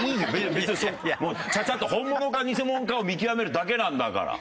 別にちゃちゃっとホンモノかニセモノかを見極めるだけなんだから。